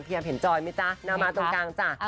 พี่ยังเห็นจอยมั้ยจ๊ะหน้ามาตรงกลางจ่ะ